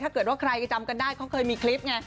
ถ้าเกิดว่าใครจำกันได้เขาเคยมีคลิปไง